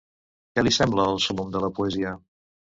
Què li sembla el súmmum de la poesia?